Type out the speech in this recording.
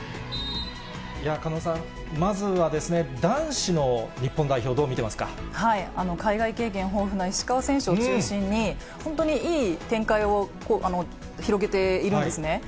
狩野さん、まずは男子の日本海外経験豊富な石川選手を中心に、本当にいい展開を広げているんですね。